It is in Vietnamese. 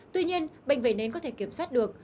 tuy nhiên bệnh vẩy nến có thể kiểm soát được